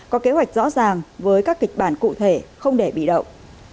có kế hoạch rõ ràng với các kịch bản cụ thể không để bị động